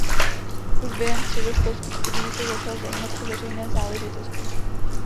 Už během středoškolských studií se začal zajímat o veřejné záležitosti.